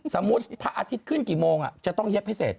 พระอาทิตย์ขึ้นกี่โมงจะต้องเย็บให้เสร็จ